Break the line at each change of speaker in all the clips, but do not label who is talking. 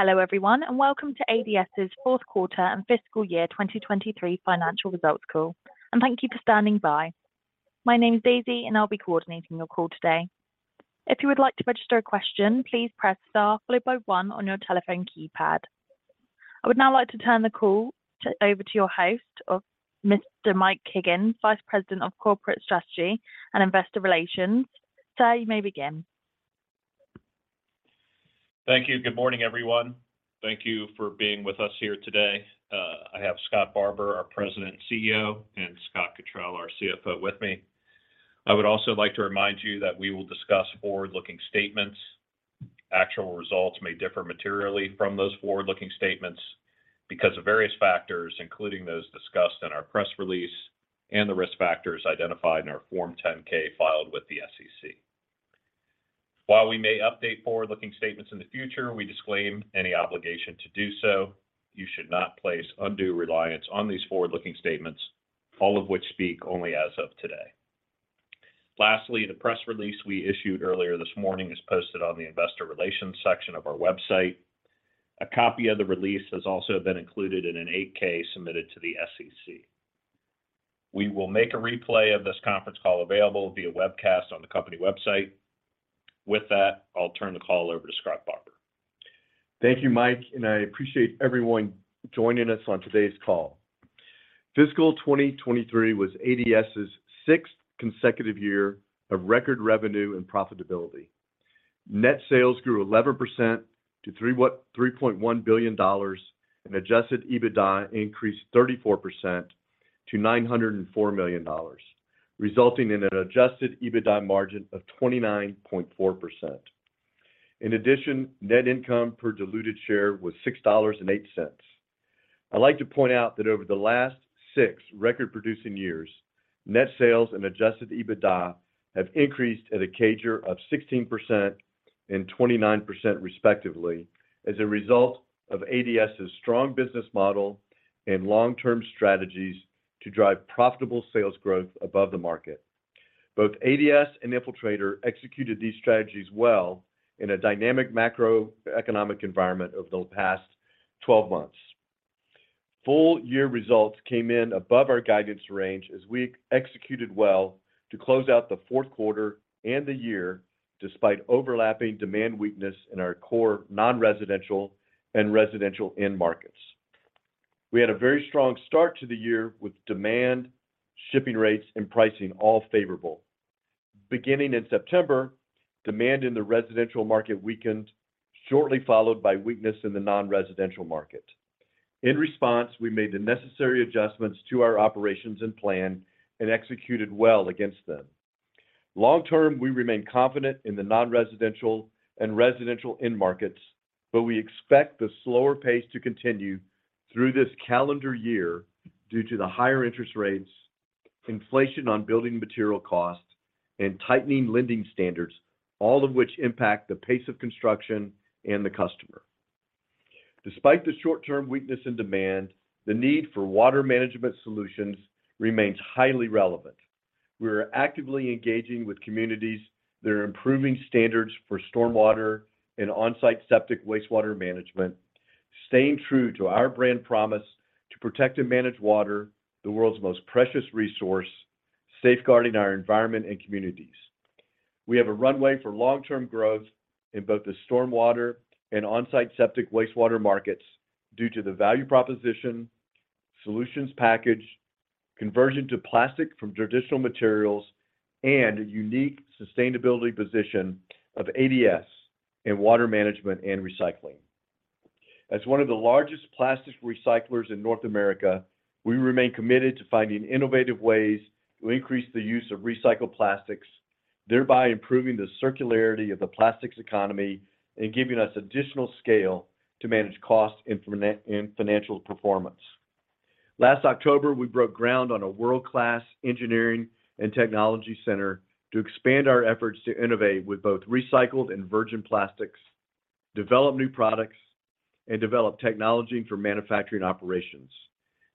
Hello everyone, welcome to ADS's Q4 and Fiscal Year 2023 Financial Results Call. Thank you for standing by. My name is Daisy and I'll be coordinating your call today. If you would like to register a question, please press Star followed by one on your telephone keypad. I would now like to turn the call to over to your host, or Mr. Mike Higgins, Vice President of Corporate Strategy and Investor Relations. Sir, you may begin.
Thank you. Good morning, everyone. Thank you for being with us here today. I have Scott Barbour, our President and CEO, and Scott Cottrill, our CFO, with me. I would also like to remind you that we will discuss forward-looking statements. Actual results may differ materially from those forward-looking statements because of various factors, including those discussed in our press release and the risk factors identified in our Form 10-K filed with the SEC. We may update forward-looking statements in the future, we disclaim any obligation to do so. You should not place undue reliance on these forward-looking statements, all of which speak only as of today. The press release we issued earlier this morning is posted on the investor relations section of our website. A copy of the release has also been included in an 8-K submitted to the SEC. We will make a replay of this conference call available via webcast on the company website. With that, I'll turn the call over to Scott Barbour.
Thank you, Mike. I appreciate everyone joining us on today's call. Fiscal 2023 was ADS's sixth consecutive year of record revenue and profitability. Net sales grew 11% to $3.1 billion. Adjusted EBITDA increased 34% to $904 million, resulting in an adjusted EBITDA margin of 29.4%. In addition, net income per diluted share was $6.08. I'd like to point out that over the last six record-producing years, net sales and adjusted EBITDA have increased at a CAGR of 16% and 29% respectively, as a result of ADS's strong business model and long-term strategies to drive profitable sales growth above the market. Both ADS and Infiltrator executed these strategies well in a dynamic macroeconomic environment over the past 12 months. Full year results came in above our guidance range as we executed well to close out the Q4 and the year, despite overlapping demand weakness in our core non-residential and residential end markets. We had a very strong start to the year with demand, shipping rates and pricing all favorable. Beginning in September, demand in the residential market weakened, shortly followed by weakness in the non-residential market. In response, we made the necessary adjustments to our operations and plan and executed well against them. Long term, we remain confident in the non-residential and residential end markets, but we expect the slower pace to continue through this calendar year due to the higher interest rates, inflation on building material costs, and tightening lending standards, all of which impact the pace of construction and the customer. Despite the short-term weakness in demand, the need for water management solutions remains highly relevant. We are actively engaging with communities that are improving standards for stormwater and on-site septic wastewater management, staying true to our brand promise to protect and manage water, the world's most precious resource, safeguarding our environment and communities. We have a runway for long-term growth in both the stormwater and on-site septic wastewater markets due to the value proposition, solutions package, conversion to plastic from traditional materials, and a unique sustainability position of ADS in water management and recycling. As one of the largest plastic recyclers in North America, we remain committed to finding innovative ways to increase the use of recycled plastics, thereby improving the circularity of the plastics economy and giving us additional scale to manage costs and financial performance. Last October, we broke ground on a world-class engineering and technology center to expand our efforts to innovate with both recycled and virgin plastics, develop new products, and develop technology for manufacturing operations.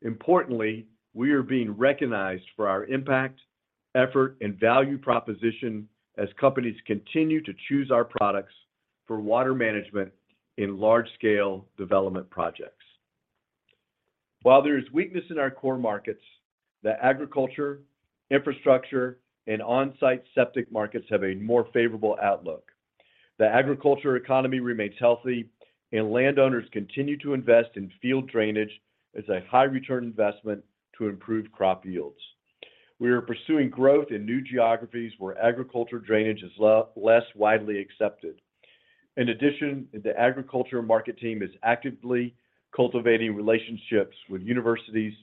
Importantly, we are being recognized for our impact, effort and value proposition as companies continue to choose our products for water management in large scale development projects. While there is weakness in our core markets, the agriculture, infrastructure and onsite septic markets have a more favorable outlook. The agriculture economy remains healthy and landowners continue to invest in field drainage as a high return investment to improve crop yields. We are pursuing growth in new geographies where agriculture drainage is less widely accepted. The agriculture market team is actively cultivating relationships with universities,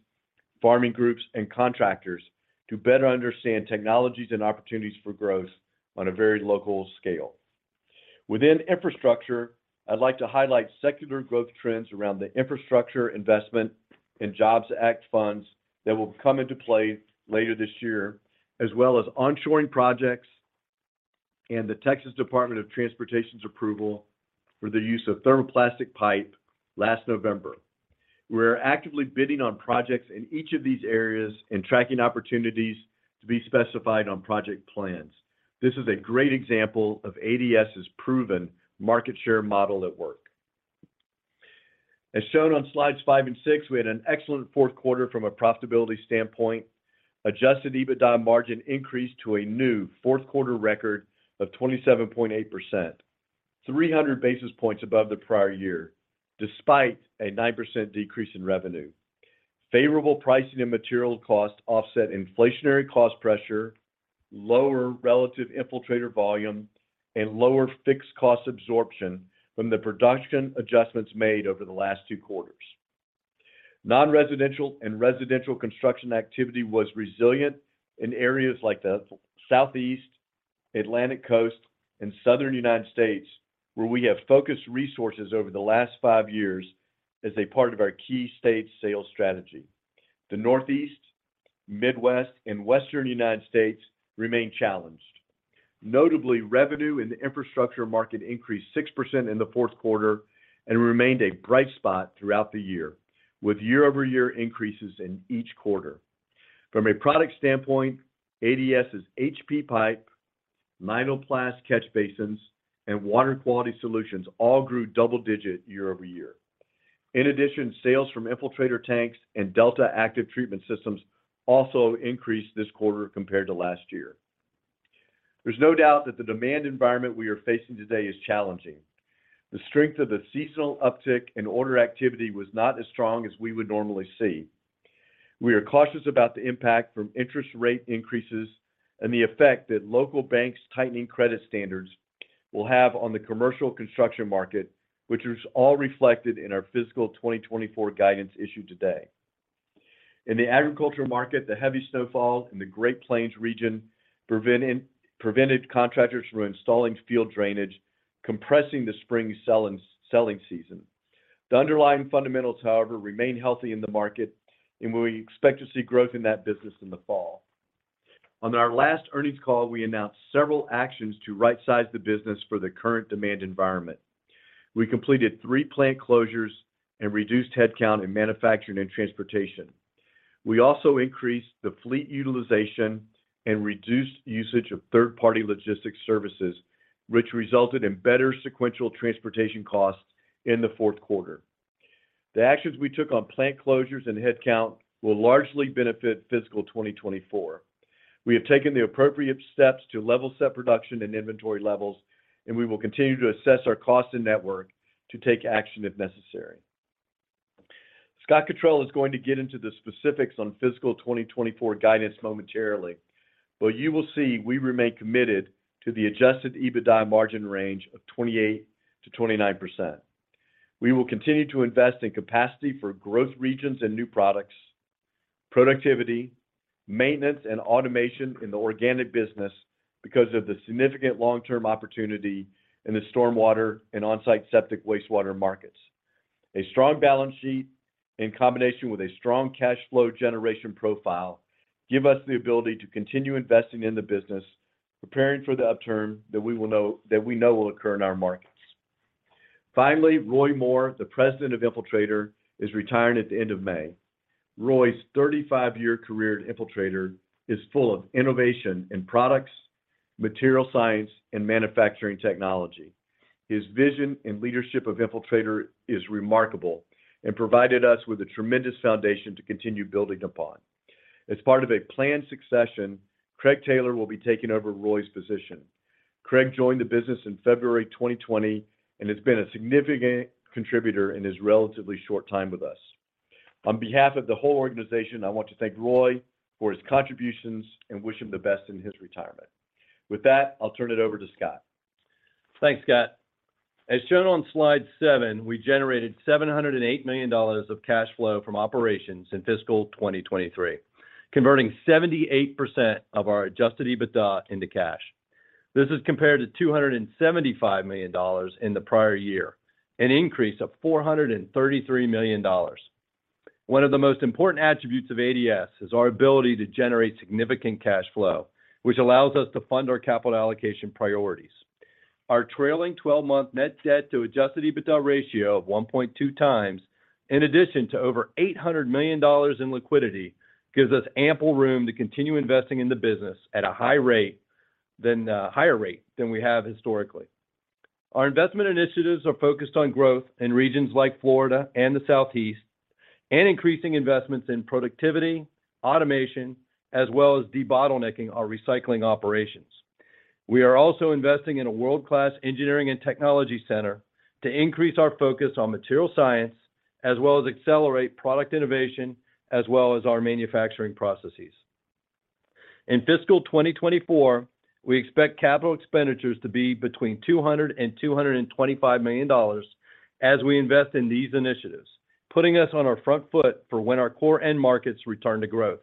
farming groups and contractors to better understand technologies and opportunities for growth on a very local scale. Within infrastructure, I'd like to highlight secular growth trends around the Infrastructure Investment and Jobs Act funds that will come into play later this year, as well as onshoring projects and the Texas Department of Transportation's approval for the use of thermoplastic pipe last November. We're actively bidding on projects in each of these areas and tracking opportunities to be specified on project plans. This is a great example of ADS's proven market share model at work. As shown on slides five and six, we had an excellent Q4 from a profitability standpoint. Adjusted EBITDA margin increased to a new Q4 record of 27.8%, 300 basis points above the prior year, despite a 9% decrease in revenue. Favorable pricing and material cost offset inflationary cost pressure, lower relative Infiltrator volume, and lower fixed cost absorption from the production adjustments made over the last two quarters. Non-residential and residential construction activity was resilient in areas like the Southeast Atlantic Coast and Southern United States, where we have focused resources over the last five years as a part of our key state sales strategy. The Northeast, Midwest, and Western United States remain challenged. Notably, revenue in the infrastructure market increased 6% in the Q4 and remained a bright spot throughout the year, with year-over-year increases in each quarter. From a product standpoint, ADS's HP pipe, Nyloplast catch basins, and water quality solutions all grew double-digit year-over-year. In addition, sales from Infiltrator tanks and Delta Treatment Systems also increased this quarter compared to last year. There's no doubt that the demand environment we are facing today is challenging. The strength of the seasonal uptick in order activity was not as strong as we would normally see. We are cautious about the impact from interest rate increases and the effect that local banks tightening credit standards will have on the commercial construction market, which is all reflected in our fiscal 2024 guidance issued today. In the agriculture market, the heavy snowfall in the Great Plains region prevented contractors from installing field drainage, compressing the spring selling season. The underlying fundamentals, however, remain healthy in the market, we expect to see growth in that business in the fall. On our last earnings call, we announced several actions to right-size the business for the current demand environment. We completed three plant closures and reduced headcount in manufacturing and transportation. We also increased the fleet utilization and reduced usage of third-party logistics services, which resulted in better sequential transportation costs in the Q4. The actions we took on plant closures and headcount will largely benefit fiscal 2024. We have taken the appropriate steps to level set production and inventory levels, and we will continue to assess our cost and network to take action if necessary. Scott Cottrill is going to get into the specifics on fiscal 2024 guidance momentarily, but you will see we remain committed to the adjusted EBITDA margin range of 28%-29%. We will continue to invest in capacity for growth regions and new products, productivity, maintenance, and automation in the organic business because of the significant long-term opportunity in the stormwater and onsite septic wastewater markets. A strong balance sheet in combination with a strong cash flow generation profile give us the ability to continue investing in the business, preparing for the upturn that we know will occur in our markets. Finally, Roy Moore, the President of Infiltrator, is retiring at the end of May. Roy's 35-year career at Infiltrator is full of innovation in products, material science, and manufacturing technology. His vision and leadership of Infiltrator is remarkable and provided us with a tremendous foundation to continue building upon. As part of a planned succession, Craig Taylor will be taking over Roy's position. Craig joined the business in February 2020 and has been a significant contributor in his relatively short time with us. On behalf of the whole organization, I want to thank Roy for his contributions and wish him the best in his retirement. With that, I'll turn it over to Scott.
Thanks, Scott. As shown on slide seven, we generated $708 million of cash flow from operations in fiscal 2023, converting 78% of our adjusted EBITDA into cash. This is compared to $275 million in the prior year, an increase of $433 million. One of the most important attributes of ADS is our ability to generate significant cash flow, which allows us to fund our capital allocation priorities. Our trailing-twelve-month net debt to adjusted EBITDA ratio of 1.2x, in addition to over $800 million in liquidity, gives us ample room to continue investing in the business at a higher rate than we have historically. Our investment initiatives are focused on growth in regions like Florida and the Southeast and increasing investments in productivity, automation, as well as debottlenecking our recycling operations. We are also investing in a world-class engineering and technology center to increase our focus on material science, as well as accelerate product innovation, as well as our manufacturing processes. In fiscal 2024, we expect capital expenditures to be between $200 million and $225 million as we invest in these initiatives, putting us on our front foot for when our core end markets return to growth.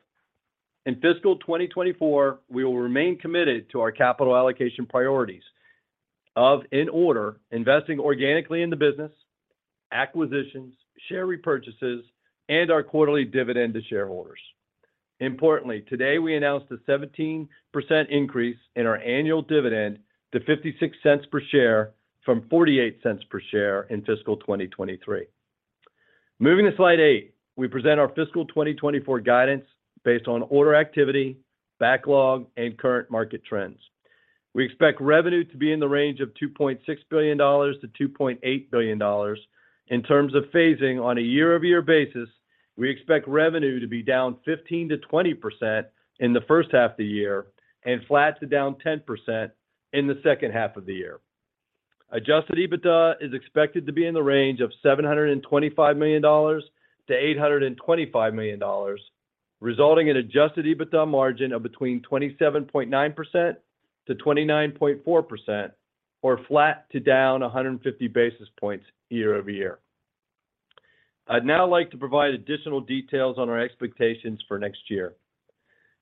In fiscal 2024, we will remain committed to our capital allocation priorities of, in order, investing organically in the business, acquisitions, share repurchases, and our quarterly dividend to shareholders. Importantly, today we announced a 17% increase in our annual dividend to $0.56 per share from $0.48 per share in fiscal 2023. Moving to slide eight, we present our fiscal 2024 guidance based on order activity, backlog, and current market trends. We expect revenue to be in the range of $2.6 billion-$2.8 billion. In terms of phasing on a year-over-year basis, we expect revenue to be down 15%-20% in the first half of the year and flat to down 10% in the second half of the year. Adjusted EBITDA is expected to be in the range of $725 million-$825 million, resulting in adjusted EBITDA margin of between 27.9%-29.4% or flat to down 150 basis points year-over-year. I'd now like to provide additional details on our expectations for next year.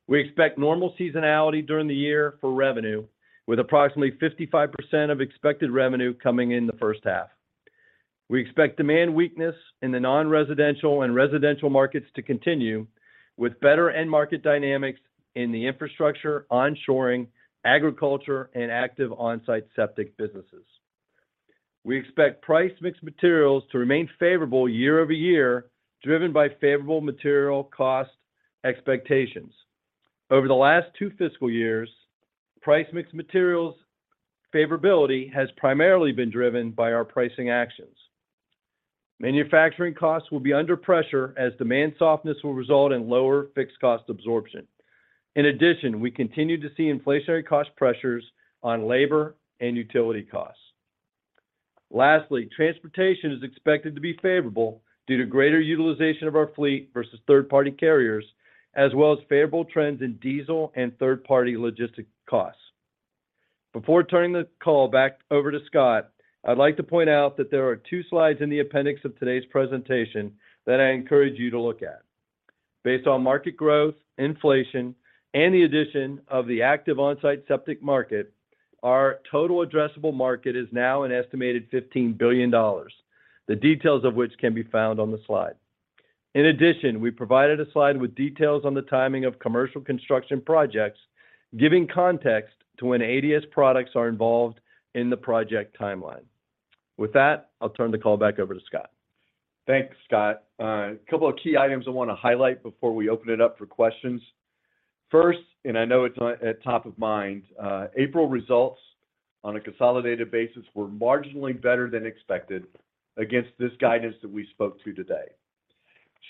We expect normal seasonality during the year for revenue, with approximately 55% of expected revenue coming in the first half. We expect demand weakness in the non-residential and residential markets to continue with better end market dynamics in the infrastructure, onshoring, agriculture, and active onsite septic businesses. We expect price mix materials to remain favorable year-over-year, driven by favorable material cost expectations. Over the last two fiscal years, price mix materials favorability has primarily been driven by our pricing actions. Manufacturing costs will be under pressure as demand softness will result in lower fixed cost absorption. In addition, we continue to see inflationary cost pressures on labor and utility costs. Lastly, transportation is expected to be favorable due to greater utilization of our fleet versus third-party carriers, as well as favorable trends in diesel and third-party logistic costs. Before turning the call back over to Scott, I'd like to point out that there are two slides in the appendix of today's presentation that I encourage you to look at. Based on market growth, inflation, and the addition of the active onsite septic market, our total addressable market is now an estimated $15 billion. The details of which can be found on the slide. In addition, we provided a slide with details on the timing of commercial construction projects, giving context to when ADS products are involved in the project timeline. With that, I'll turn the call back over to Scott.
Thanks, Scott. A couple of key items I wanna highlight before we open it up for questions. First, I know it's at top of mind, April results on a consolidated basis were marginally better than expected against this guidance that we spoke to today.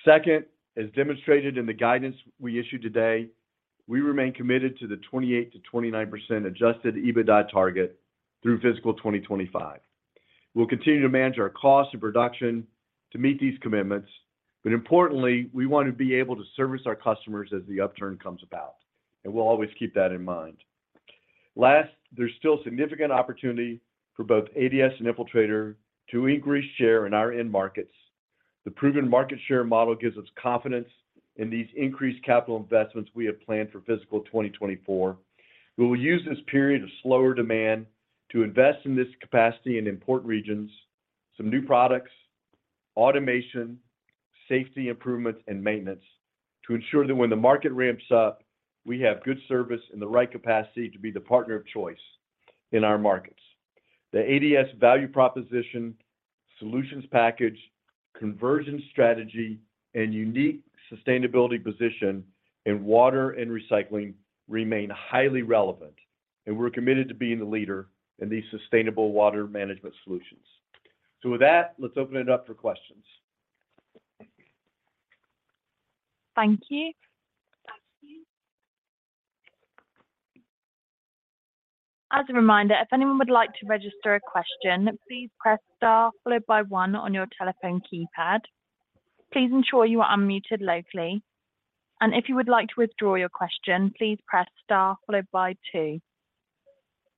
Second, as demonstrated in the guidance we issued today, we remain committed to the 28%-29% adjusted EBITDA target through fiscal 2025. We'll continue to manage our cost of production to meet these commitments, but importantly, we want to be able to service our customers as the upturn comes about, and we'll always keep that in mind. Last, there's still significant opportunity for both ADS and Infiltrator to increase share in our end markets. The proven market share model gives us confidence in these increased capital investments we have planned for fiscal 2024. We will use this period of slower demand to invest in this capacity in important regions, some new products, automation, safety improvements, and maintenance to ensure that when the market ramps up, we have good service and the right capacity to be the partner of choice in our markets. The ADS value proposition, solutions package, conversion strategy, and unique sustainability position in water and recycling remain highly relevant, and we're committed to being the leader in these sustainable water management solutions. With that, let's open it up for questions.
Thank you. As a reminder, if anyone would like to register a question, please press star followed by one on your telephone keypad. Please ensure you are unmuted locally. If you would like to withdraw your question, please press star followed bytwo.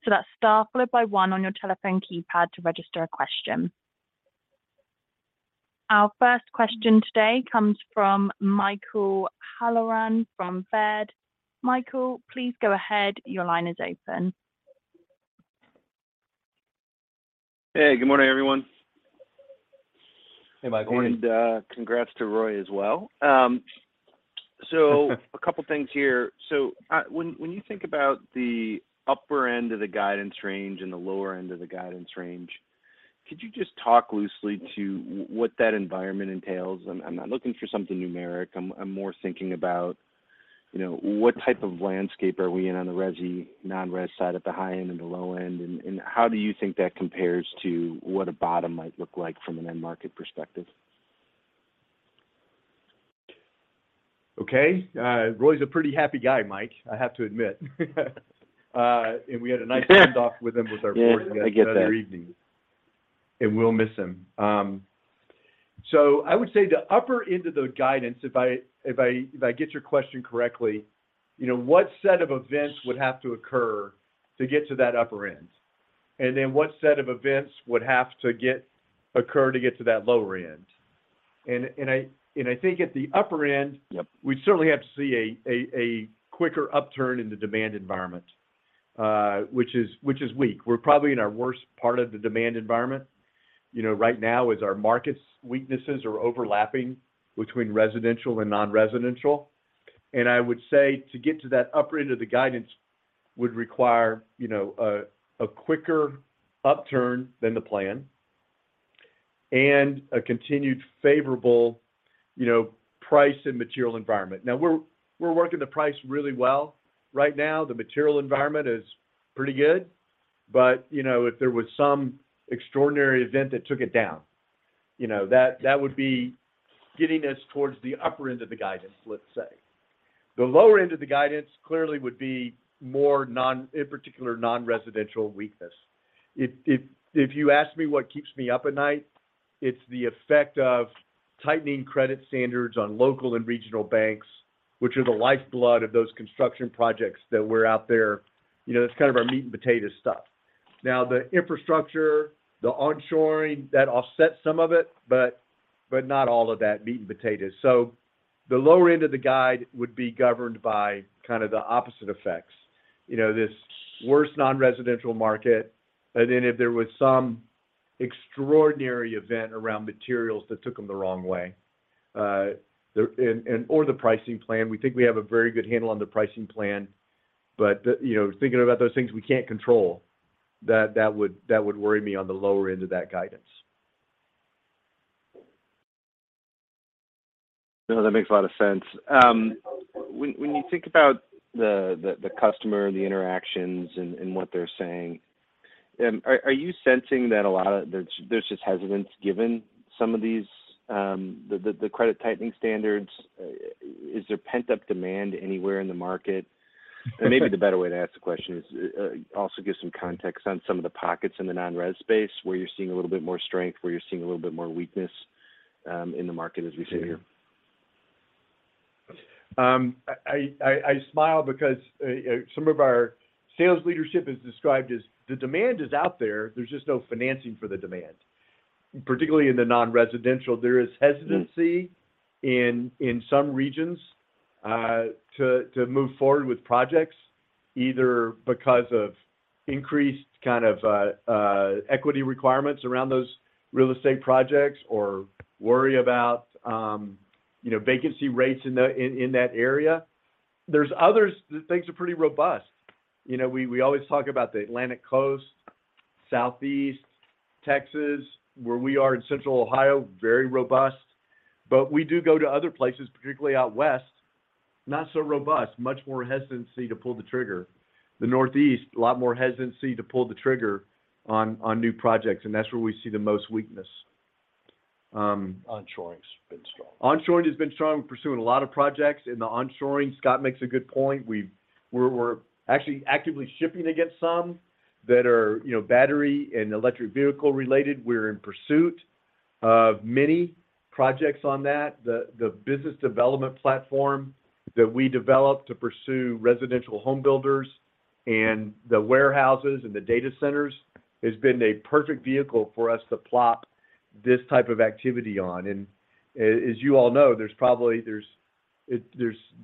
That's star followed by one on your telephone keypad to register a question. Our first question today comes from Michael Halloran from Baird. Michael, please go ahead. Your line is open.
Hey, good morning, everyone.
Hey, Mike. Morning.
Congrats to Roy as well. A couple of things here. When you think about the upper end of the guidance range and the lower end of the guidance range, could you just talk loosely to what that environment entails? I'm not looking for something numeric. I'm more thinking about, you know, what type of landscape are we in on the resi, non-res side at the high end and the low end, and how do you think that compares to what a bottom might look like from an end market perspective?
Okay. Roy's a pretty happy guy, Mike, I have to admit. We had a nice send-off with him with our board the other evening.
Yeah, I get that.
We'll miss him. I would say the upper end of the guidance, if I get your question correctly, you know, what set of events would have to occur to get to that upper end? Then what set of events would have to occur to get to that lower end? I think at the upper end-
Yep...
we certainly have to see a quicker upturn in the demand environment, which is weak. We're probably in our worst part of the demand environment, you know, right now as our markets weaknesses are overlapping between residential and non-residential. I would say to get to that upper end of the guidance would require, you know, a quicker upturn than the plan and a continued favorable, you know, price and material environment. We're working the price really well right now. The material environment is pretty good. You know, if there was some extraordinary event that took it down, you know, that would be getting us towards the upper end of the guidance, let's say. The lower end of the guidance clearly would be more in particular, non-residential weakness. If you ask me what keeps me up at night, it's the effect of tightening credit standards on local and regional banks, which are the lifeblood of those construction projects that we're out there. You know, that's kind of our meat and potatoes stuff. The infrastructure, the onshoring, that offsets some of it, but not all of that meat and potatoes. The lower end of the guide would be governed by kind of the opposite effects. You know, this worse non-residential market, and then if there was some extraordinary event around materials that took them the wrong way, or the pricing plan. We think we have a very good handle on the pricing plan. You know, thinking about those things we can't control, that would worry me on the lower end of that guidance.
No, that makes a lot of sense. When you think about the customer, the interactions and what they're saying, are you sensing that there's just hesitance given some of these the credit tightening standards? Is there pent-up demand anywhere in the market?
Maybe-
Maybe the better way to ask the question is, also give some context on some of the pockets in the non-res space where you're seeing a little bit more strength, where you're seeing a little bit more weakness, in the market as we sit here.
I smile because some of our sales leadership is described as the demand is out there's just no financing for the demand. Particularly in the non-residential, there is hesitancy in some regions to move forward with projects, either because of increased kind of equity requirements around those real estate projects or worry about, you know, vacancy rates in that area. There's others that things are pretty robust. You know, we always talk about the Atlantic Coast, Southeast, Texas, where we are in Central Ohio, very robust. We do go to other places, particularly out West, not so robust, much more hesitancy to pull the trigger. The Northeast, a lot more hesitancy to pull the trigger on new projects, and that's where we see the most weakness. Onshoring's been strong. Onshoring has been strong. We're pursuing a lot of projects in the onshoring. Scott makes a good point. We're actually actively shipping against some that are, you know, battery and electric vehicle related. We're in pursuit of many projects on that. The business development platform that we developed to pursue residential home builders and the warehouses and the data centers has been a perfect vehicle for us to plop this type of activity on. As you all know, there's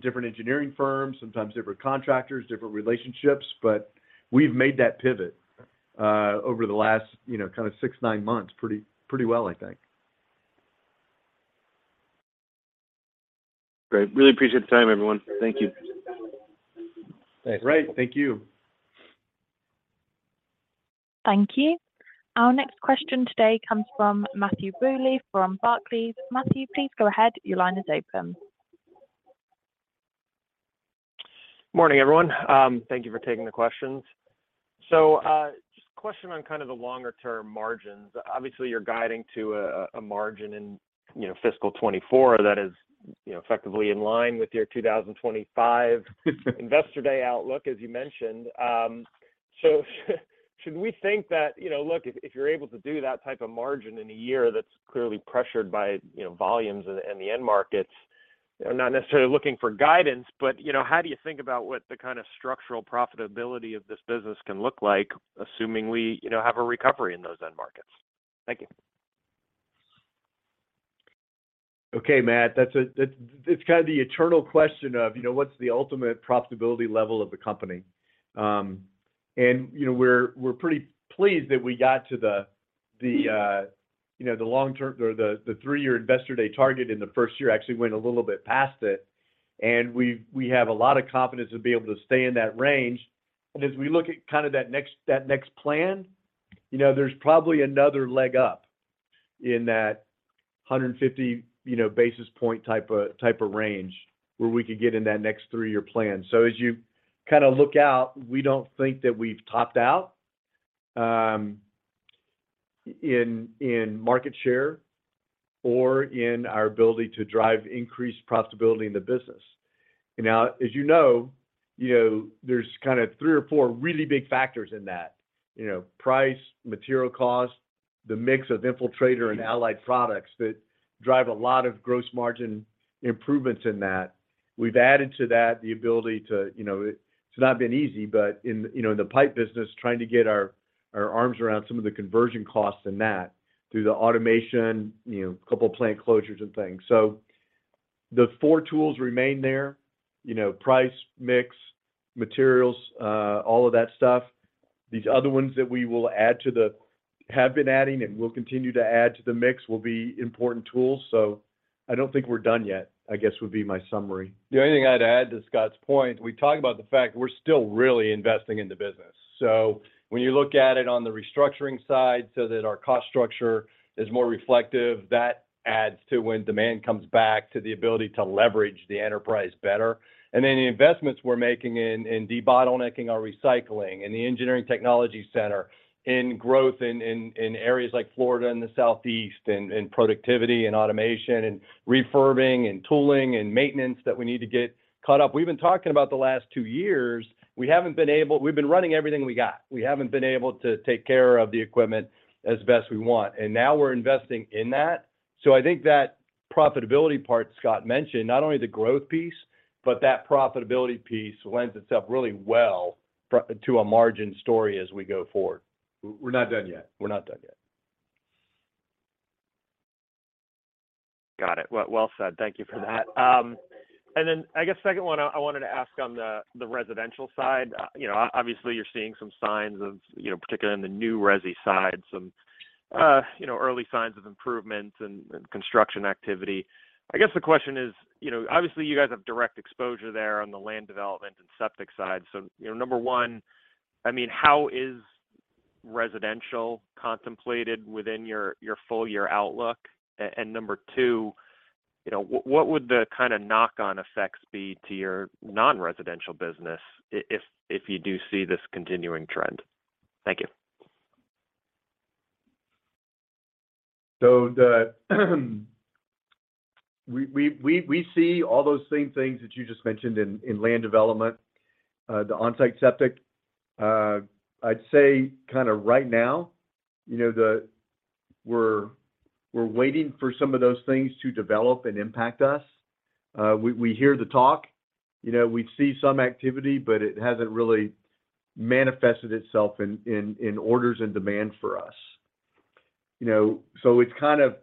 different engineering firms, sometimes different contractors, different relationships, but we've made that pivot over the last, you know, kind of six, nine months pretty well, I think.
Great. Really appreciate the time, everyone. Thank you.
Thanks. Great. Thank you.
Thank you. Our next question today comes from Matthew Bouley from Barclays. Matthew, please go ahead. Your line is open.
Morning, everyone. Thank you for taking the questions. Just a question on kind of the longer term margins. Obviously, you're guiding to a margin in, you know, fiscal 2024 that is, you know, effectively in line with your 2025 Investor Day outlook, as you mentioned. Should we think that, you know, look, if you're able to do that type of margin in a year that's clearly pressured by, you know, volumes and the end markets, I'm not necessarily looking for guidance, but, you know, how do you think about what the kind of structural profitability of this business can look like, assuming we, you know, have a recovery in those end markets? Thank you.
Okay, Matthew, that's it's kind of the eternal question of, you know, what's the ultimate profitability level of the company? You know, we're pretty pleased that we got to the long-term or the three-year Investor Day target in the first year, actually went a little bit past it. We have a lot of confidence to be able to stay in that range. As we look at kind of that next plan, you know, there's probably another leg up in that 150, you know, basis point type of range where we could get in that next three-year plan. As you kind of look out, we don't think that we've topped out in market share or in our ability to drive increased profitability in the business. Now, as you know, there's kind of three or four really big factors in that, you know, price, material cost, the mix of Infiltrator and allied products that drive a lot of gross margin improvements in that. We've added to that the ability to, you know. It's not been easy, but in, you know, in the pipe business, trying to get our arms around some of the conversion costs in that through the automation, you know, couple plant closures and things. The four tools remain there, you know, price, mix, materials, all of that stuff. These other ones that we have been adding and will continue to add to the mix will be important tools. I don't think we're done yet, I guess, would be my summary.
The only thing I'd add to Scott's point, we talk about the fact we're still really investing in the business. When you look at it on the restructuring side so that our cost structure is more reflective, that adds to when demand comes back to the ability to leverage the enterprise better. The investments we're making in de-bottlenecking our recycling and the engineering technology center in growth in areas like Florida and the Southeast and productivity and automation and refurbing and tooling and maintenance that we need to get caught up. We've been talking about the last two years, we haven't been able. We've been running everything we got. We haven't been able to take care of the equipment as best we want, and now we're investing in that. I think that profitability part Scott mentioned, not only the growth piece, but that profitability piece lends itself really well to a margin story as we go forward. We're not done yet. We're not done yet.
Got it. Well said. Thank you for that. I guess second one, I wanted to ask on the residential side. You know, obviously, you're seeing some signs of, you know, particularly in the new resi side, some, you know, early signs of improvement and construction activity. I guess the question is, you know, obviously, you guys have direct exposure there on the land development and septic side. You know, number one, I mean, how is residential contemplated within your full year outlook? Number two, you know, what would the kinda knock on effects be to your non-residential business if you do see this continuing trend? Thank you.
We see all those same things that you just mentioned in land development, the onsite septic. I'd say kind of right now, you know, we're waiting for some of those things to develop and impact us. We hear the talk. You know, we see some activity, but it hasn't really manifested itself in orders and demand for us. You know, it's kind of,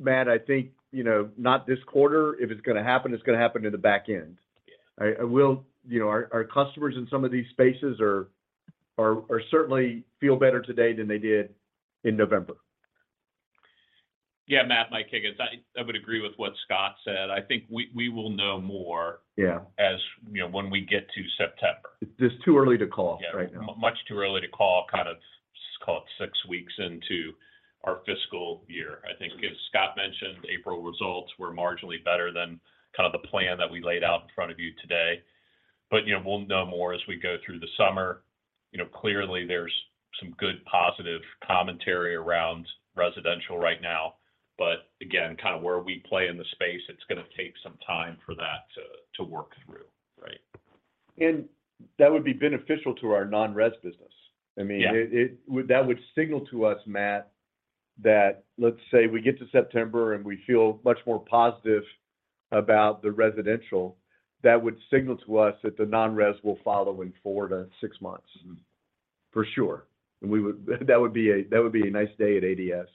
Matt, I think, you know, not this quarter, if it's going to happen, it's going to happen in the back end.
Yeah.
You know, our customers in some of these spaces are certainly feel better today than they did in November.
Yeah. Matt, Mike Higgins. I would agree with what Scott said. I think we will know more.
Yeah
as, you know, when we get to September.
It's just too early to call right now.
Yeah. Much too early to call, kind of call it 6 weeks into our fiscal year. I think as Scott mentioned, April results were marginally better than kind of the plan that we laid out in front of you today. You know, we'll know more as we go through the summer. You know, clearly there's some good positive commentary around residential right now. Again, kind of where we play in the space, it's going to take some time for that to work through, right?
That would be beneficial to our non-res business.
Yeah
That would signal to us, Matt, that, let's say, we get to September, and we feel much more positive about the residential, that would signal to us that the non-res will follow in four to six months. For sure. That would be a nice day at ADS.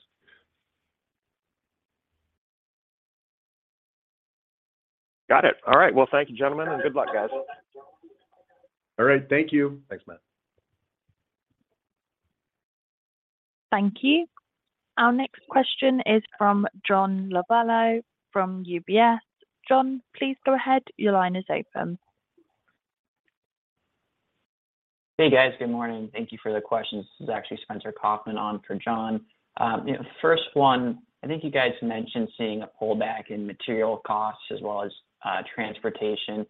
Got it. All right. Well, thank you, gentlemen, and good luck, guys.
All right. Thank you.
Thanks, Matt.
Thank you. Our next question is from John Lovallo from UBS. John, please go ahead. Your line is open.
Hey, guys. Good morning. Thank you for the questions. This is actually Spencer Kaufman on for John. you know, first one, I think you guys mentioned seeing a pullback in material costs as well as transportation.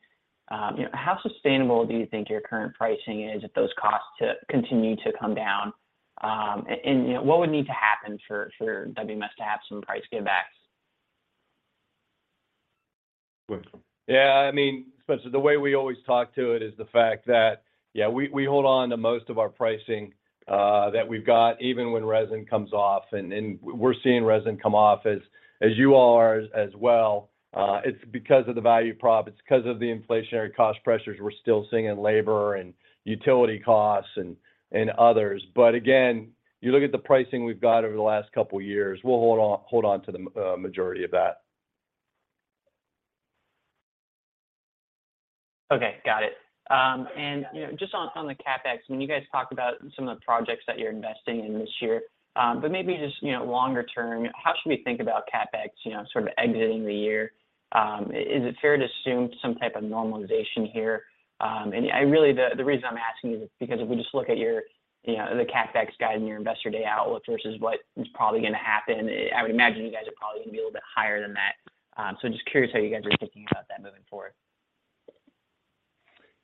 you know, how sustainable do you think your current pricing is if those costs continue to come down? And what would need to happen for WMS to have some price give backs?
Go ahead.
Yeah. I mean, Spencer, the way we always talk to it is the fact that, yeah, we hold on to most of our pricing, that we've got even when resin comes off, and we're seeing resin come off as you all are as well. It's because of the value prop. It's 'cause of the inflationary cost pressures we're still seeing in labor and utility costs and others. Again, you look at the pricing we've got over the last couple years, we'll hold on to the majority of that.
Okay. Got it. You know, just on the CapEx, I mean, you guys talked about some of the projects that you're investing in this year. Maybe just, you know, longer term, how should we think about CapEx, you know, sort of exiting the year? Is it fair to assume some type of normalization here? The reason I'm asking is because if we just look at your, you know, the CapEx guide and your Investor Day outlook versus what is probably gonna happen, I would imagine you guys are probably gonna be a little bit higher than that. Just curious how you guys are thinking about that moving forward.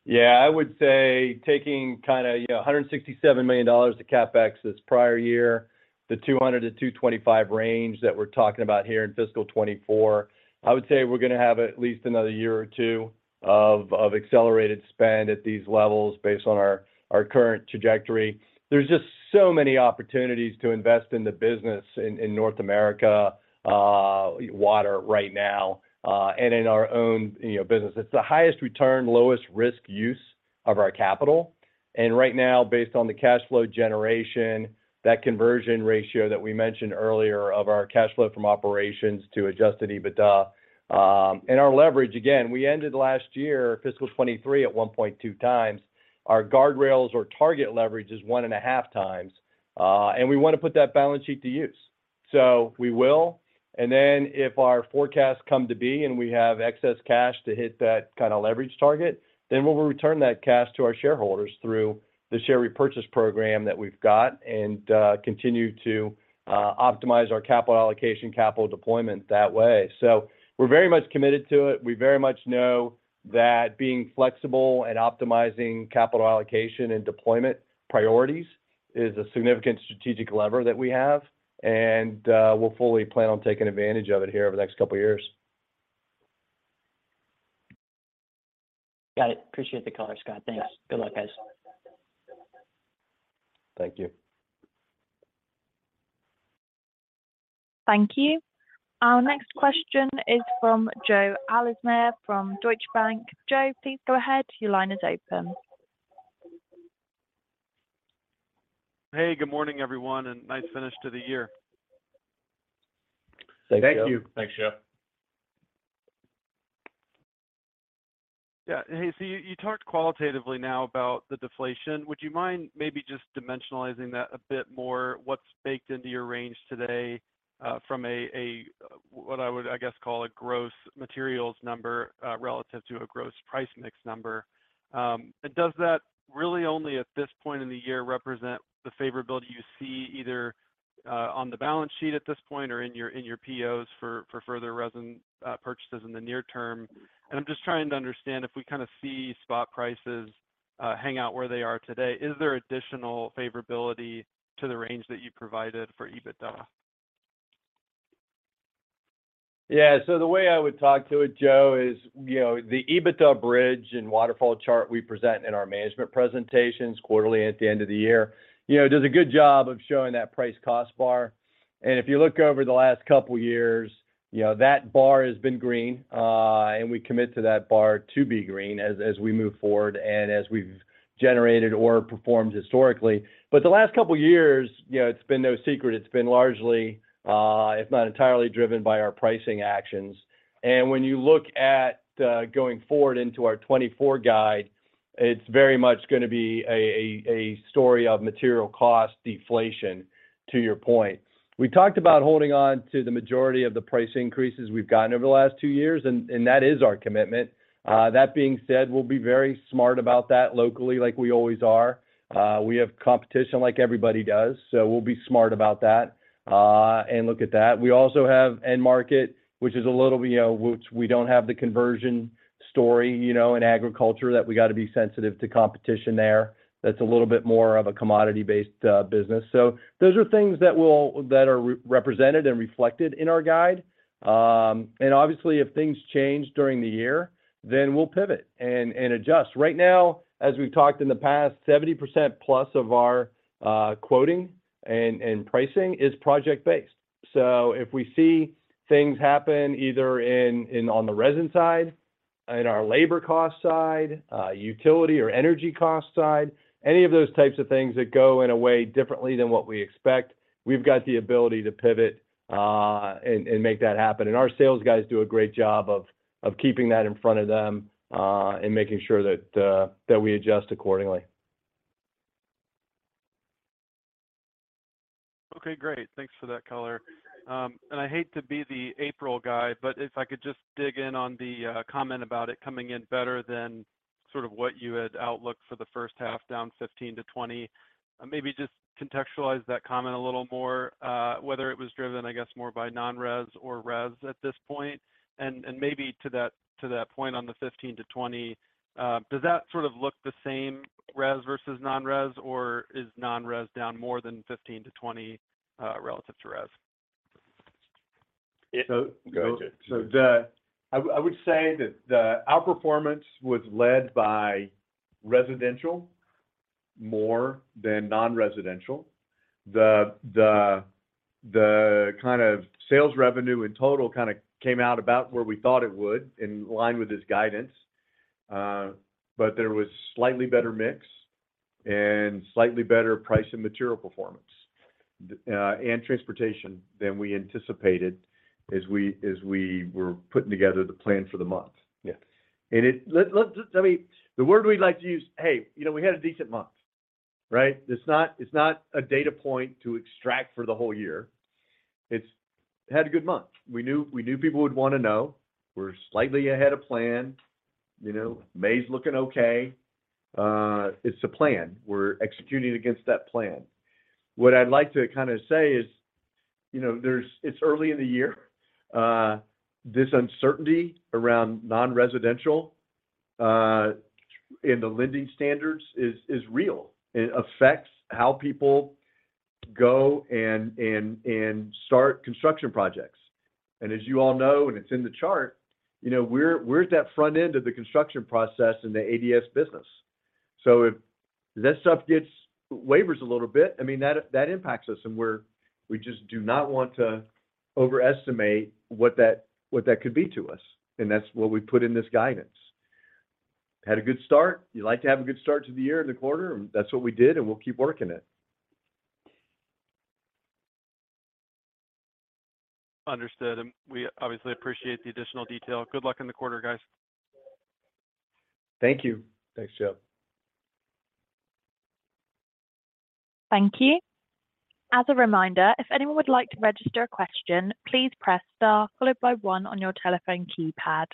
Yeah. I would say taking kinda, you know, $167 million to CapEx this prior year, the $200-$225 range that we're talking about here in fiscal 2024, I would say we're gonna have at least another year or two of accelerated spend at these levels based on our current trajectory. There's just so many opportunities to invest in the business in North America water right now and in our own, you know, business. It's the highest return, lowest risk use of our capital. Right now, based on the cash flow generation, that conversion ratio that we mentioned earlier of our cash flow from operations to adjusted EBITDA, and our leverage, again, we ended last year, fiscal 2023, at 1.2 times. Our guardrails or target leverage is one and a half times, and we wanna put that balance sheet to use. We will, and then if our forecasts come to be and we have excess cash to hit that kind of leverage target, then we'll return that cash to our shareholders through the share repurchase program that we've got and continue to optimize our capital allocation, capital deployment that way. We're very much committed to it. We very much know that being flexible and optimizing capital allocation and deployment priorities is a significant strategic lever that we have, and we'll fully plan on taking advantage of it here over the next couple years.
Got it. Appreciate the color, Scott. Thanks. Good luck, guys.
Thank you.
Thank you. Our next question is from Joe Ahlersmeyer from Deutsche Bank. Joe, please go ahead. Your line is open.
Hey, good morning, everyone, and nice finish to the year.
Thank you.
Thanks, Joe.
Yeah. Hey, so you talked qualitatively now about the deflation. Would you mind maybe just dimensionalizing that a bit more? What's baked into your range today from what I would, I guess, call a gross materials number relative to a gross price mix number? Does that really only at this point in the year represent the favorability you see either on the balance sheet at this point or in your POs for further resin purchases in the near term? I'm just trying to understand if we kinda see spot prices hang out where they are today, is there additional favorability to the range that you provided for EBITDA?
Yeah. The way I would talk to it, Joe, is, you know, the EBITDA bridge and waterfall chart we present in our management presentations quarterly and at the end of the year, you know, does a good job of showing that price cost bar. If you look over the last couple years, you know, that bar has been green, and we commit to that bar to be green as we move forward and as we've generated or performed historically. The last couple years, you know, it's been no secret. It's been largely, if not entirely driven by our pricing actions. When you look at going forward into our 2024 guide, it's very much gonna be a story of material cost deflation, to your point. We talked about holding on to the majority of the price increases we've gotten over the last two years, and that is our commitment. That being said, we'll be very smart about that locally like we always are. We have competition like everybody does, we'll be smart about that and look at that. We also have end market, which is a little, you know, which we don't have the conversion story, you know, in agriculture that we gotta be sensitive to competition there. That's a little bit more of a commodity-based business. Those are things that are re-represented and reflected in our guide. Obviously, if things change during the year, then we'll pivot and adjust. Right now, as we've talked in the past, 70% plus of our quoting and pricing is project-based. If we see things happen either on the resin side, in our labor cost side, utility or energy cost side, any of those types of things that go in a way differently than what we expect, we've got the ability to pivot and make that happen. Our sales guys do a great job of keeping that in front of them and making sure that we adjust accordingly.
Okay. Great. Thanks for that color. I hate to be the April guy, but if I could just dig in on the comment about it coming in better than sort of what you had outlooked for the first half down 15%-20%. Maybe just contextualize that comment a little more, whether it was driven, I guess, more by non-res or res at this point. Maybe to that point on the 15%-20%, does that sort of look the same res versus non-res, or is non-res down more than 15%-20% relative to res?
So- Go ahead, Joe.
I would say that the outperformance was led by residential more than non-residential. The kind of sales revenue in total kinda came out about where we thought it would in line with this guidance. There was slightly better mix and slightly better price and material performance and transportation than we anticipated as we were putting together the plan for the month.
Yeah.
Let's just, I mean, the word we'd like to use, hey, you know, we had a decent month, right? It's not, it's not a data point to extract for the whole year. Had a good month. We knew people would wanna know. We're slightly ahead of plan. You know, May's looking okay. It's a plan. We're executing against that plan. What I'd like to kinda say is, you know, it's early in the year. This uncertainty around non-residential and the lending standards is real. It affects how people go and start construction projects. As you all know, and it's in the chart, you know, we're at that front end of the construction process in the ADS business. If that stuff gets waivers a little bit, I mean, that impacts us, and we just do not want to. Overestimate what that, what that could be to us, and that's what we put in this guidance. Had a good start. You like to have a good start to the year and the quarter, and that's what we did, and we'll keep working it.
Understood. We obviously appreciate the additional detail. Good luck in the quarter, guys.
Thank you.
Thanks, Jeff.
Thank you. As a reminder, if anyone would like to register a question, please press star followed by one on your telephone keypad.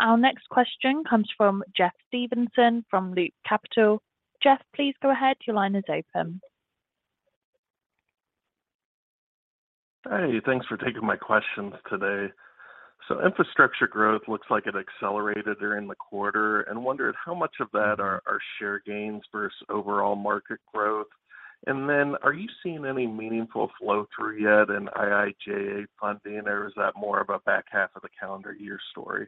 Our next question comes from Jeff Stevenson from Loop Capital. Jeff, please go ahead. Your line is open.
Hey, thanks for taking my questions today. Infrastructure growth looks like it accelerated during the quarter, and wondered how much of that are share gains versus overall market growth. Are you seeing any meaningful flow through yet in IIJA funding, or is that more of a back half of the calendar year story?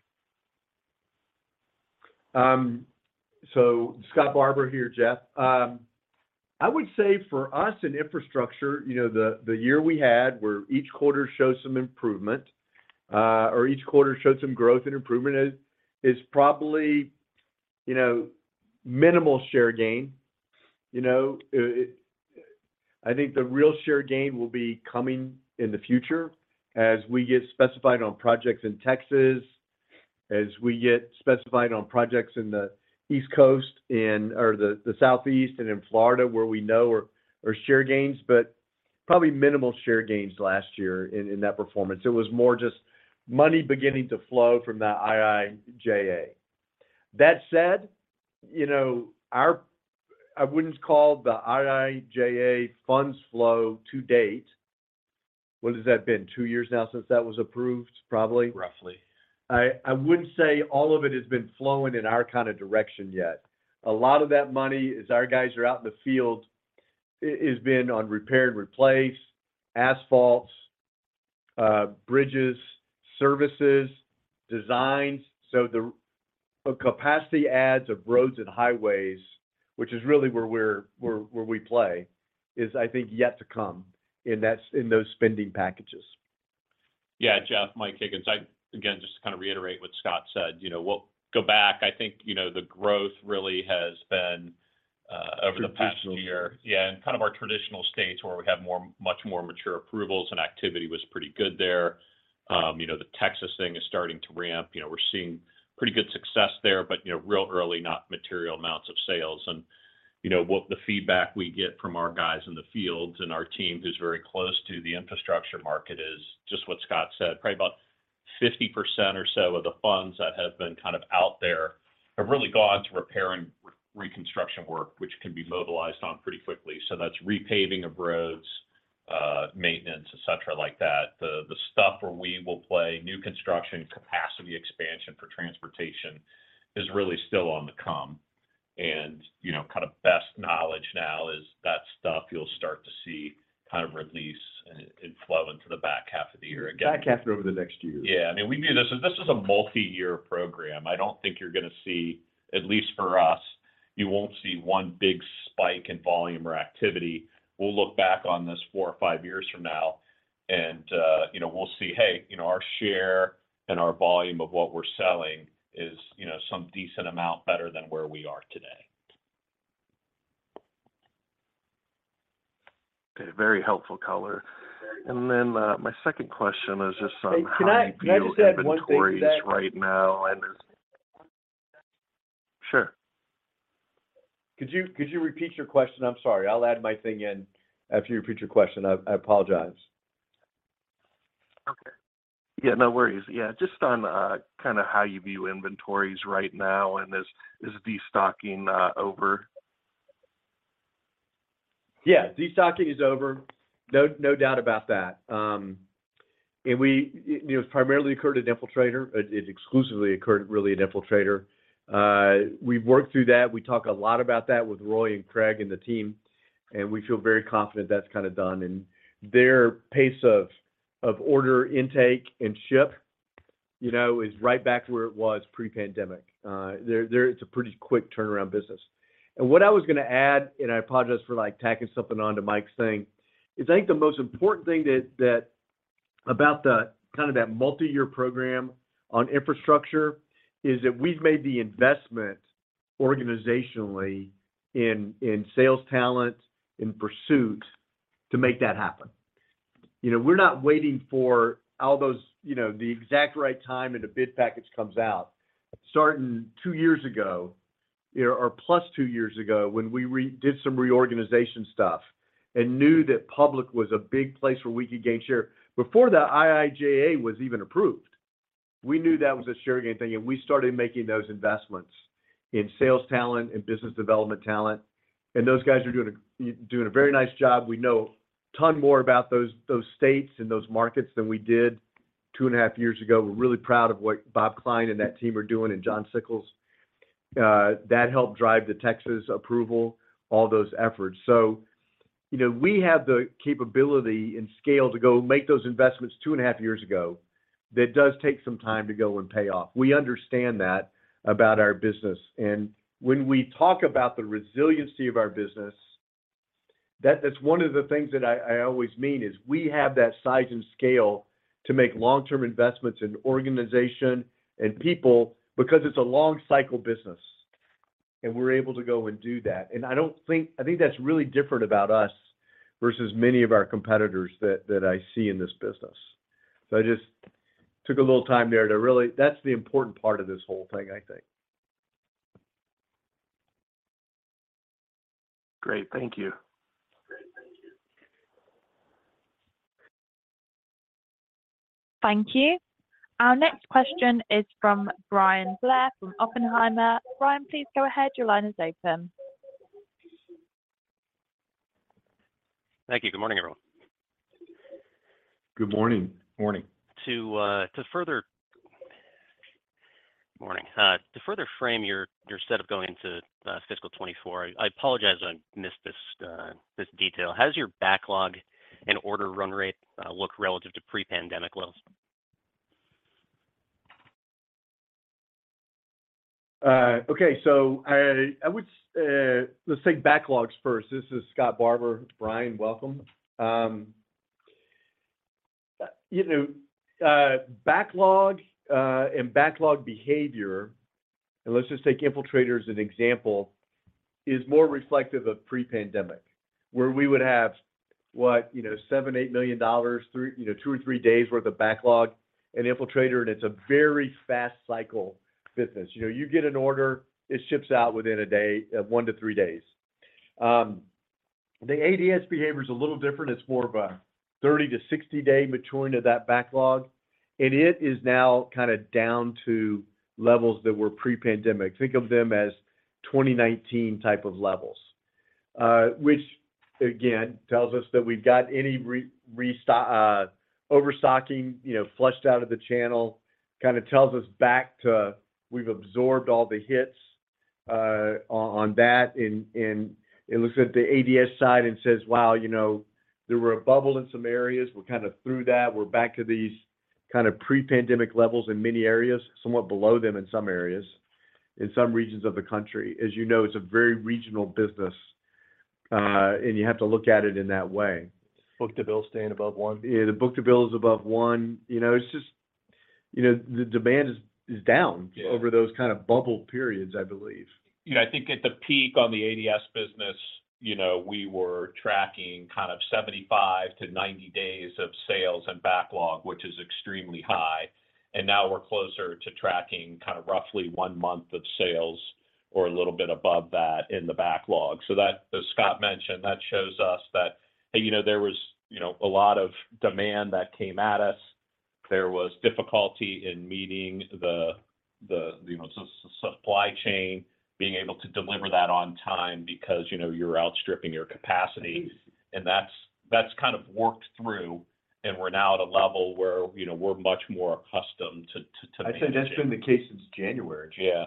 Scott Barbour here, Jeff. I would say for us in infrastructure, you know, the year we had where each quarter showed some improvement, or each quarter showed some growth and improvement is probably, you know, minimal share gain. You know, I think the real share gain will be coming in the future as we get specified on projects in Texas, as we get specified on projects in the East Coast or the Southeast and in Florida where we know are share gains, but probably minimal share gains last year in that performance. It was more just money beginning to flow from that IIJA. That said, you know, I wouldn't call the IIJA funds flow to date. What has that been, two years now since that was approved, probably?
Roughly.
I wouldn't say all of it has been flowing in our kind of direction yet. A lot of that money, as our guys are out in the field, it's been on repair and replace, asphalts, bridges, services, designs. The capacity adds of roads and highways, which is really where we play, is, I think, yet to come in those spending packages.
Yeah, Jeff, Mike Higgins. I, again, just to kind of reiterate what Scott said. You know, we'll go back. I think, you know, the growth really has been over the past year.
Traditional...
yeah, in kind of our traditional states where we have more, much more mature approvals and activity was pretty good there. You know, the Texas thing is starting to ramp. You know, we're seeing pretty good success there, but, you know, real early, not material amounts of sales. You know, what the feedback we get from our guys in the fields and our team who's very close to the infrastructure market is just what Scott said. Probably about 50% or so of the funds that have been kind of out there have really gone to repair and reconstruction work, which can be mobilized on pretty quickly. That's repaving of roads, maintenance, et cetera, like that. The stuff where we will play new construction capacity expansion for transportation is really still on the come. You know, kind of best knowledge now is that stuff you'll start to see kind of release and flow into the back half of the year again.
Back half and over the next year.
Yeah. I mean, This is a multiyear program. I don't think you're gonna see, at least for us, you won't see one big spike in volume or activity. We'll look back on this four or five years from now and, you know, we'll see, hey, you know, our share and our volume of what we're selling is, you know, some decent amount better than where we are today.
Okay. Very helpful color. Then, my second question is just on how you view inventories right now and is-.
Hey, can I just add one thing to that?
Sure.
Could you repeat your question? I'm sorry. I'll add my thing in after you repeat your question. I apologize.
Okay. Yeah, no worries. Yeah, just on, kinda how you view inventories right now, and is destocking, over?
Yeah, destocking is over, no doubt about that. We, you know, it's primarily occurred at Infiltrator. It exclusively occurred really at Infiltrator. We've worked through that. We talk a lot about that with Roy and Craig and the team, and we feel very confident that's kinda done. Their pace of order intake and ship, you know, is right back to where it was pre-pandemic. It's a pretty quick turnaround business. What I was gonna add, and I apologize for, like, tacking something onto Mike's thing, is I think the most important thing that about the kind of that multi-year program on infrastructure is that we've made the investment organizationally in sales talent, in pursuit to make that happen. You know, we're not waiting for all those, you know, the exact right time and a bid package comes out. Starting two years ago, you know, or plus two years ago, when we did some reorganization stuff and knew that public was a big place where we could gain share, before the IIJA was even approved, we knew that was a share gain thing, and we started making those investments in sales talent and business development talent, and those guys are doing a very nice job. We know ton more about those states and those markets than we did two and a half years ago. We're really proud of what Bob Klein and that team are doing, and John Sickels. That helped drive the Texas approval, all those efforts. You know, we have the capability and scale to go make those investments two and a half years ago. That does take some time to go and pay off. We understand that about our business. When we talk about the resiliency of our business, that is one of the things that I always mean is we have that size and scale to make long-term investments in organization and people because it's a long cycle business, and we're able to go and do that. I think that's really different about us versus many of our competitors that I see in this business. I just took a little time there. That's the important part of this whole thing, I think.
Great. Thank you.
Thank you. Our next question is from Bryan Blair from Oppenheimer. Bryan, please go ahead. Your line is open.
Thank you. Good morning, everyone.
Good morning.
Morning.
Morning. To further frame your set of going into fiscal 2024, I apologize I missed this detail. How does your backlog and order run rate look relative to pre-pandemic lows?
Okay. Let's take backlogs first. This is Scott Barbour. Bryan, welcome. You know, backlog and backlog behavior, and let's just take Infiltrator as an example, is more reflective of pre-pandemic, where we would have what? You know, $7 million-$8 million, three, you know, two or three days worth of backlog in Infiltrator, and it's a very fast cycle business. You know, you get an order, it ships out within a day, one to three days. The ADS behavior is a little different. It's more of a 30 to 60 day maturing of that backlog, and it is now kind of down to levels that were pre-pandemic. Think of them as 2019 type of levels. Which again tells us that we've got any restocking, overstocking, you know, flushed out of the channel, kind of tells us back to we've absorbed all the hits on that. It looks at the ADS side and says, Wow, you know, there were a bubble in some areas. We're kind of through that. We're back to these kind of pre-pandemic levels in many areas, somewhat below them in some areas, in some regions of the country. As you know, it's a very regional business, and you have to look at it in that way.
Book-to-bill staying above one.
Yeah, the book-to-bill is above one. You know, it's just, you know, the demand is.
Yeah...
over those kind of bubble periods, I believe.
You know, I think at the peak on the ADS business, you know, we were tracking kind of 75-90 days of sales and backlog, which is extremely high. Now we're closer to tracking kind of roughly one month of sales or a little bit above that in the backlog. That, as Scott mentioned, that shows us that, hey, you know, there was, you know, a lot of demand that came at us. There was difficulty in meeting the, you know, supply chain, being able to deliver that on time because, you know, you're outstripping your capacity. That's kind of worked through, and we're now at a level where, you know, we're much more accustomed to.
I'd say that's been the case since January.
Yeah.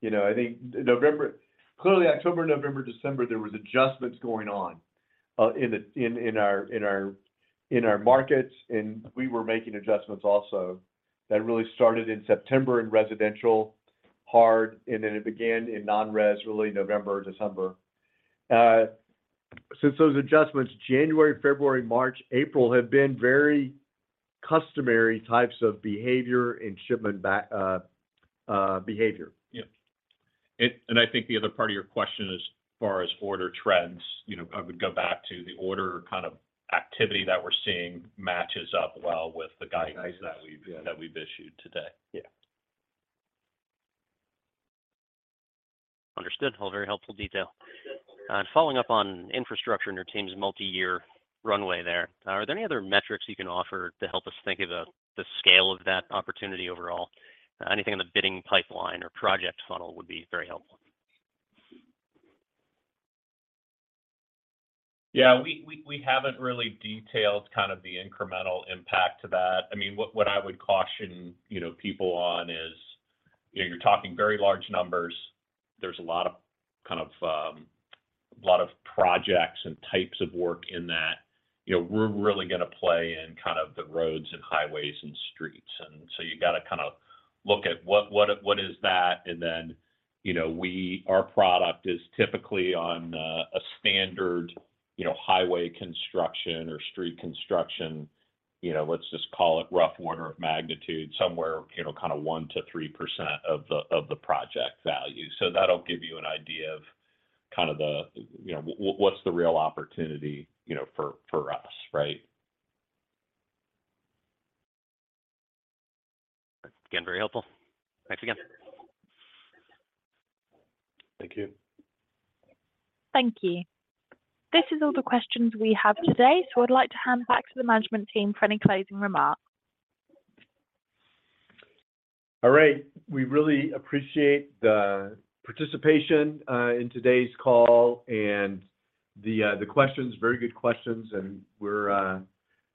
You know, I think November... Clearly October, November, December, there was adjustments going on, in our markets, and we were making adjustments also. That really started in September in residential hard, and then it began in non-res really November, December. Since those adjustments, January, February, March, April have been very customary types of behavior and shipment behavior.
Yeah. I think the other part of your question as far as order trends, you know, I would go back to the order kind of activity that we're seeing matches up well with the guidance that.
Yeah...
that we've issued today.
Yeah.
Understood. All very helpful detail. Following up on infrastructure and your team's multi-year runway there, are there any other metrics you can offer to help us think of the scale of that opportunity overall? Anything in the bidding pipeline or project funnel would be very helpful.
Yeah, we haven't really detailed kind of the incremental impact to that. I mean, what I would caution, you know, people on is, you know, you're talking very large numbers. There's a lot of kind of, lot of projects and types of work in that. You know, we're really gonna play in kind of the roads and highways and streets, you got to kind of look at what is that? You know, our product is typically on a standard, you know, highway construction or street construction. You know, let's just call it rough order of magnitude somewhere, you know, kind of 1%-3% of the project value. That'll give you an idea of kind of the, you know, what's the real opportunity, you know, for us, right?
Again, very helpful. Thanks again.
Thank you.
Thank you. This is all the questions we have today, so I'd like to hand back to the management team for any closing remarks.
All right. We really appreciate the participation in today's call and the questions, very good questions, and we're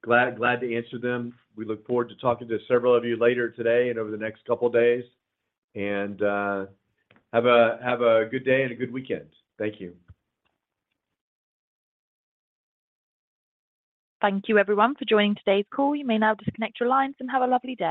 glad to answer them. We look forward to talking to several of you later today and over the next couple of days. Have a good day and a good weekend. Thank you.
Thank you everyone for joining today's call. You may now disconnect your lines and have a lovely day.